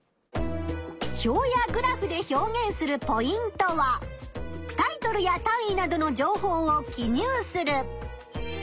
表やグラフで表現するポイントはタイトルや単位などの情報を記入する。